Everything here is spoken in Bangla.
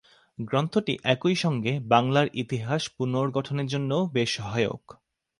গ্রন্থটি একই সঙ্গে বাংলার ইতিহাস পুনর্গঠনের জন্যও বেশ সহায়ক।